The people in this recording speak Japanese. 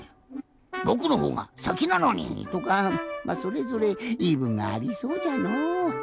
「ぼくのほうがさきなのに！」とかまあそれぞれいいぶんがありそうじゃのう。